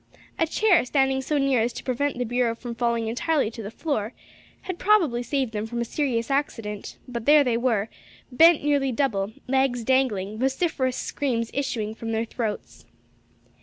A chair standing so near as to prevent the bureau from falling entirely to the floor, had probably saved them from a serious accident; but there they were, bent nearly double, legs dangling, vociferous screams issuing from their throats.